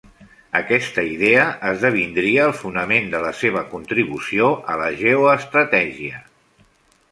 Aquesta idea esdevindria el fonament de la seva contribució a la geoestratègia.